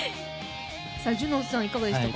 ＪＵＮＯＮさんいかがでしたか？